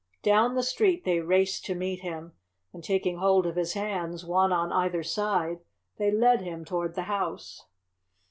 Down the street they raced to meet him, and taking hold of his hands, one on either side, they led him toward the house.